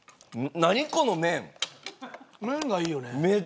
麺がいいよね。